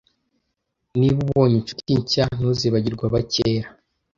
Niba ubonye inshuti nshya, ntuzibagirwe abakera.